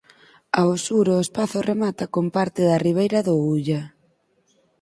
Ao sur o espazo remata con parte da ribeira do Ulla.